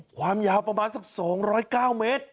ความยาวประมาณสัก๒๐๙เมตร